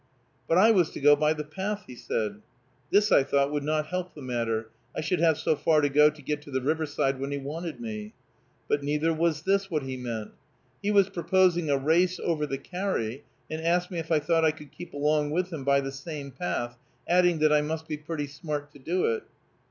But I was to go by the path, he said. This I thought would not help the matter, I should have so far to go to get to the riverside when he wanted me. But neither was this what he meant. He was proposing a race over the carry, and asked me if I thought I could keep along with him by the same path, adding that I must be pretty smart to do it.